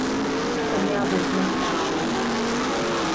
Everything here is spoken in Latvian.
Tam jābūt netālu.